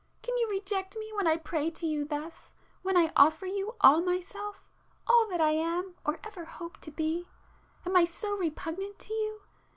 Can you reject me when I pray to you thus?—when I offer you all myself,—all that I am, or ever hope to be? Am I so repugnant to you?